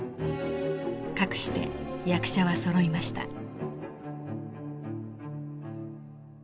かくして役者はそろいました。